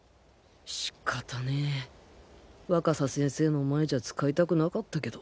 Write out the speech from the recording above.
仕方ねぇ若狭先生の前じゃ使いたくなかったけど